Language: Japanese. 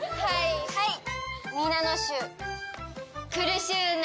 はいはい。